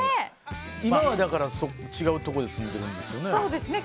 今はだから、違うところに住んでるんですよね。